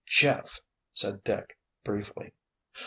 "Jeff!" said Dick, briefly.